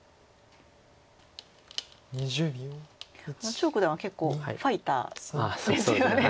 張九段は結構ファイターですよね。